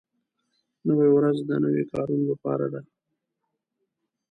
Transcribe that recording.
نوې ورځ د نویو کارونو لپاره ده